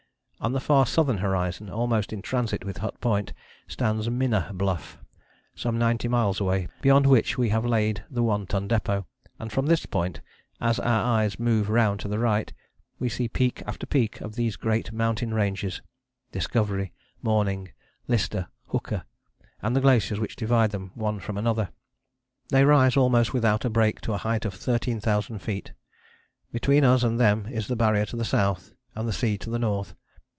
On the far southern horizon, almost in transit with Hut Point, stands Minna Bluff, some ninety miles away, beyond which we have laid the One Ton Depôt, and from this point, as our eyes move round to the right, we see peak after peak of these great mountain ranges Discovery, Morning, Lister, Hooker, and the glaciers which divide them one from another. They rise almost without a break to a height of thirteen thousand feet. Between us and them is the Barrier to the south, and the sea to the north.